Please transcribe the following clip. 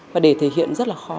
và để thể hiện rất là khó